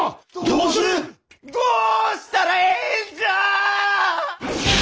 どうする⁉どうしたらええんじゃ！